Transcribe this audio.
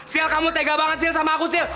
sil kamu tega banget sama aku